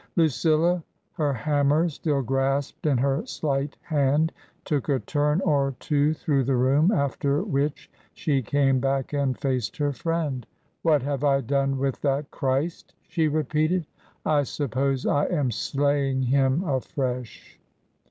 Lucilla, her hammer still grasped in her slight hand, took a turn or two through the room, after which she came back and faced her friend. " What have I done with that Christ ?" she repeated. " I suppose I am slaying Him afresh.